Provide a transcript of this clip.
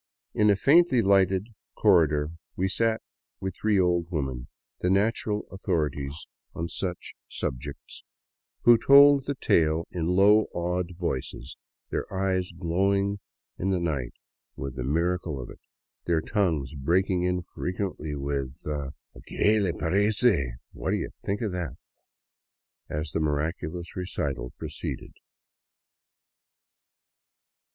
In a faintly lighted corre dor we sat with three old women, the natural authorities on such sub 75 VAGABONDING DOWN THE ANDES jects, who told the tale in low, awed voices, their eyes glowing in the night with the miracle of it, their tongues breaking in frequently with a " Que le parece !"—" What do you think of that !"— as the miraculous recital proceeded.